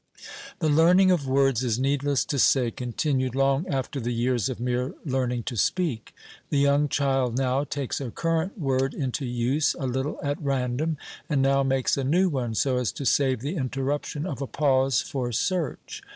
The learning of words is, needless to say, continued long after the years of mere learning to speak. The young child now takes a current word into use, a little at random, and now makes a new one, so as to save the interruption of a pause for search.